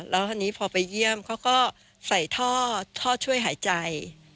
แล้วทีนี้พอไปเยี่ยมเขาก็ใส่ท่อช่วยหายใจ